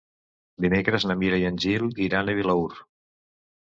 Dimecres na Mira i en Gil iran a Vilaür.